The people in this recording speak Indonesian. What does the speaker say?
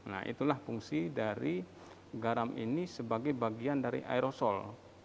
nah itulah fungsi dari garam ini sebagai bagian dari aerosol